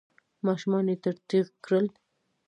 ماشومان يې تر تېغ تېر کړل.